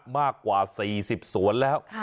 มากกว่า๔๐สวนแล้ว